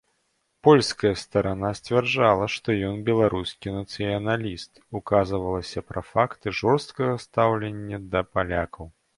Польская старана сцвярджала, што ён беларускі нацыяналіст, указвалася пра факты жорсткага стаўлення да палякаў.